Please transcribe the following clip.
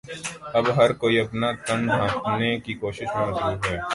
اور اب ہر کوئی اپنا تن ڈھانپٹنے کی کوششوں میں مصروف ہے